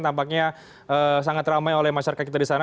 tampaknya sangat ramai oleh masyarakat kita di sana